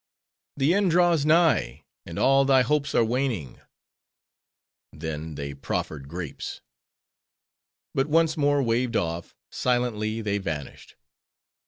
"The end draws nigh, and all thy hopes are waning." Then they proffered grapes. But once more waved off, silently they vanished.